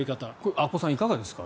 阿古さん、いかがですか？